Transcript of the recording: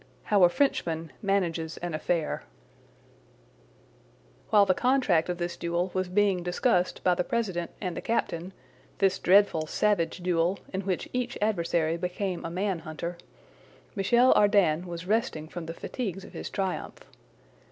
HOW A FRENCHMAN MANAGES AN AFFAIR While the contract of this duel was being discussed by the president and the captain—this dreadful, savage duel, in which each adversary became a man hunter—Michel Ardan was resting from the fatigues of his triumph.